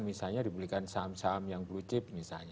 misalnya diberikan saham saham yang blue chip